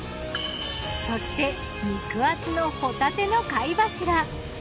そして肉厚のほたての貝柱。